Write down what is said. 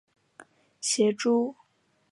协助训练。